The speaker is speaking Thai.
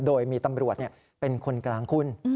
โดยมีตำรวจเป็นคนกลางคุณ